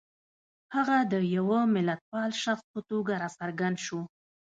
هغه د یوه ملتپال شخص په توګه را څرګند شو.